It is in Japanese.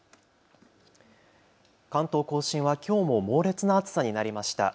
関東甲信はきょうも猛烈な暑さになりました。